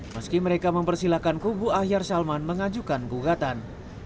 meski mereka mempersilahkan kubu ahyar salman mengajukan gugatan